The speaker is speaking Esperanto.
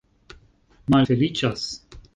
malfeliĉas